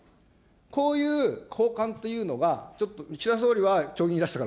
こういう交換というのが、ちょっと岸田総理は長銀にいらしたから